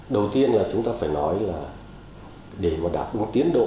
đầu tiên là chúng ta phải nói là để mà đạt đúng tiến độ